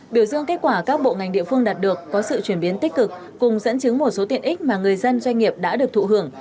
biểu dương kết quả các bộ ngành địa phương đạt được có sự chuyển biến tích cực cùng dẫn chứng một số tiện ích mà người dân doanh nghiệp đã được thụ hưởng